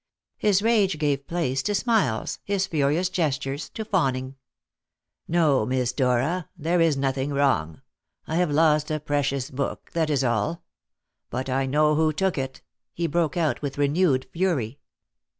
His rage gave place to smiles, his furious gestures to fawning. "No, Miss Dora; there is nothing wrong. I have lost a precious book, that is all. But I know who took it," he broke out with renewed fury.